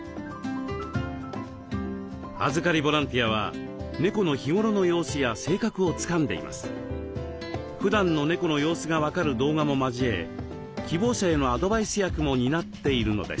預かりボランティアは猫の日頃の様子や性格をつかんでいます。ふだんの猫の様子が分かる動画も交え希望者へのアドバイス役も担っているのです。